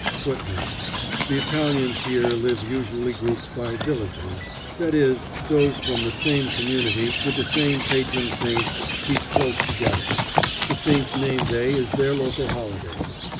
[Footnote: The Italians here live usually grouped by "villages," that is, those from the same community with the same patron saint keep close together. The saint's name day is their local holiday.